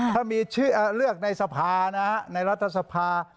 ถ้ามีชื่อเลือกในสภานะฮะในรัฐสภา